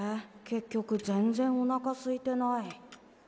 結局全然おなかすいてない。